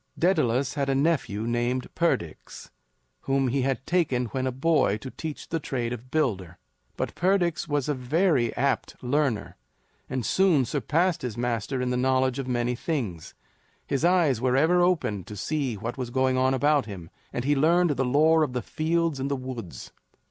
Daedalus had a nephew named Perdix whom he had taken when a boy to teach the trade of builder. But Perdix was a very apt learner, and soon surpassed his master in the knowledge of many things. His eyes were ever open to see what was going on about him, and he learned the lore of the fields and the woods.